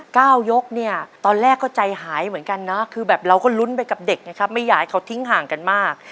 ก้าวยกตอนแรกก็ใจหายเหมือนกันนะคือเราก็ลุ้นไปกับเด็กไม่อยากให้เขาทิ้งห่างกันมาก